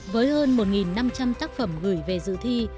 với hơn một năm trăm linh tác phẩm gửi về dự thi